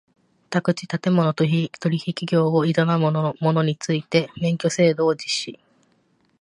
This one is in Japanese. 宅地建物取引業を営む者について免許制度を実施